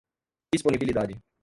disponibilidade